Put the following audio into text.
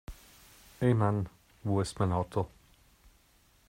Ey Mann, wo ist mein Auto?